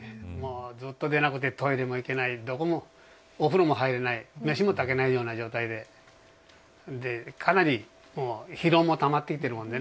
ずっと出なくてトイレも行けないお風呂も入れないめしもたけない状態でかなり疲労もたまってきています。